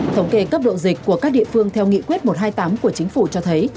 thống kê cấp độ dịch của các địa phương theo nghị quyết một trăm hai mươi tám của chính phủ cho thấy